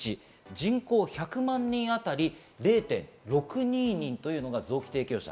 人口１００万人あたり０．６２人というのが臓器提供者。